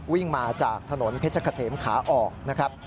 วิ่งมาจากถนนเพชรเกษมขาออกนะครับ